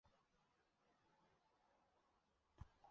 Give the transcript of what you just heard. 在弗内斯半岛的巴罗市建造。